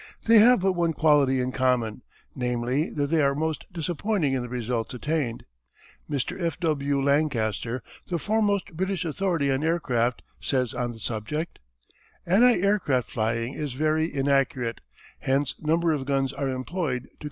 They have but one quality in common, namely that they are most disappointing in the results attained. Mr. F. W. Lancaster, the foremost British authority on aircraft, says on this subject: "Anti aircraft firing is very inaccurate, hence numbers of guns are employed to compensate."